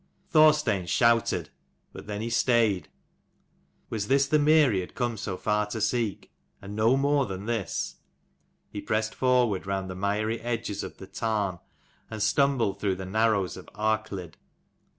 Thorstein shouted : but then he stayed. Was this the mere he had come so far to seek ? and no more than this ? He pressed forward, round the miry edges of the tarn, and stumbled through the narrows of Arklid.